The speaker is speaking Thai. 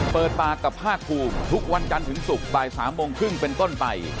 เปิดปากกับภาคภูมิทุกวันจันทร์ถึงศุกร์บ่าย๓โมงครึ่งเป็นต้นไป